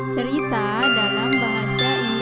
cerita dalam bahasa indonesia